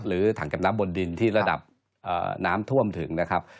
ถังเก็บน้ำบนดินที่ระดับน้ำท่วมถึงนะครับ